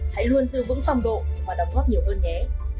hãy luôn giữ vững phong độ và đóng góp nhiều hơn nhé